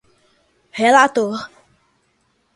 relator